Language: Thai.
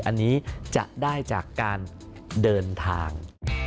อันนี้จะได้จากการเดินทาง